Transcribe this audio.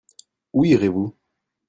Où irez-vous ?